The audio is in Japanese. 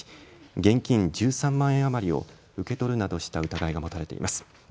現金１３万円余りを受け取るなどした疑いが持たれています。